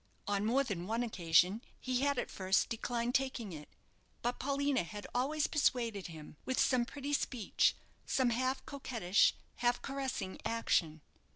On more than one occasion he had at first declined taking it; but Paulina had always persuaded him, with some pretty speech, some half coquettish, half caressing action.